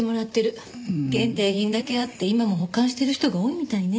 限定品だけあって今も保管してる人が多いみたいね。